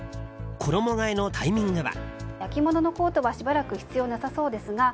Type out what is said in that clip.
衣替えのタイミングは？